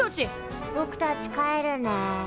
ぼくたち帰るね。